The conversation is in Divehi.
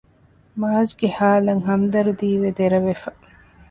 މާޒްގެ ހާލަށް ހަމްދަރުދީވެ ދެރަވެފަ